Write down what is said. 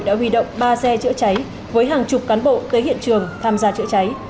đã huy động ba xe chữa cháy với hàng chục cán bộ tới hiện trường tham gia chữa cháy